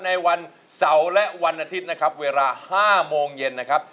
ในวันเสาร์และวันอาทิตย์นะครับเวลา๕โมงเย็นนะครับ